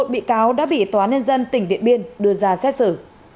một mươi một bị cáo đã bị tòa nên dân tỉnh điện biên đưa ra xét xử